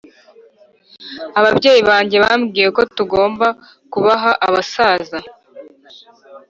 ababyeyi banjye bambwiye ko tugomba kubaha abasaza.